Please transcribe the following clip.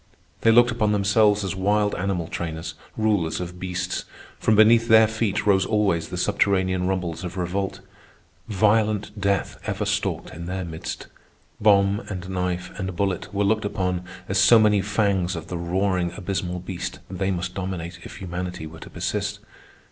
They looked upon themselves as wild animal trainers, rulers of beasts. From beneath their feet rose always the subterranean rumbles of revolt. Violent death ever stalked in their midst; bomb and knife and bullet were looked upon as so many fangs of the roaring abysmal beast they must dominate if humanity were to persist.